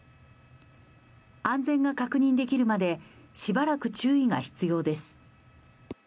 安全が確認できるまでしばらく注意が必要です。